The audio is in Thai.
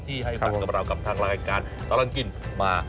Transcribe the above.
ให้ฝันกับเรากับทางรายการตลอดกินมา